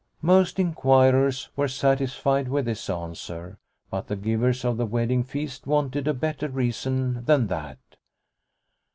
Most inquirers were satisfied with this answer, but the givers of the wedding feast wanted a better reason than that.